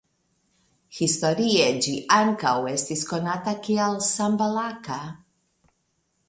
Historie ĝi ankaŭ estis konata kiel "Sambalaka".